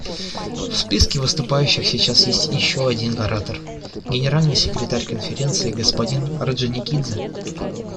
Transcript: В списке выступающих сейчас есть еще один оратор — Генеральный секретарь Конференции господин Орджоникидзе.